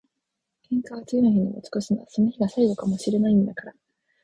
喧嘩は次の日に持ち越すな。その日が最後かも知れないんだから。